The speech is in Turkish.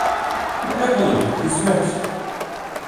Ne yapalım, kısmet.